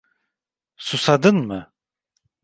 Susadın mı?